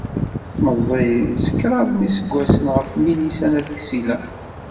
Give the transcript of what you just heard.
Meẓẓiy s kraḍ n yiseggasen ɣef Milisa n At Ksila.